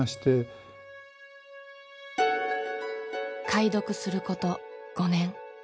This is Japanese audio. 解読すること５年。